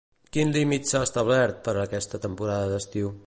Quin límit s'ha establert per a aquesta temporada d'estiu?